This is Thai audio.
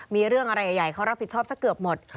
มีเรื่องอะไรใหญ่เขารับผิดชอบสักเกือบหมด